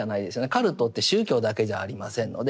カルトって宗教だけじゃありませんので。